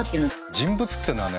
人物っていうのはね